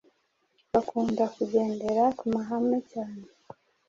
bakunda kugendera ku mahame cyane